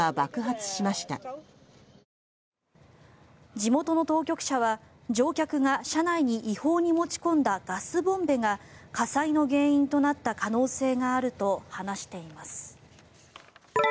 地元の当局者は乗客が車内に違法に持ち込んだガスボンベが火災の原因となった可能性があると話しています。